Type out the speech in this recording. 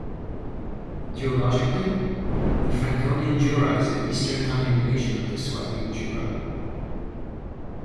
Geologically, the Franconian Jura is the eastern continuation of the Swabian Jura.